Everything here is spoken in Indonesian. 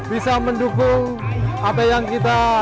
bisa mendukung apa yang kita